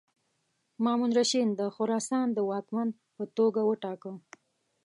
مامون الرشید د خراسان د واکمن په توګه وټاکه.